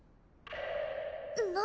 何？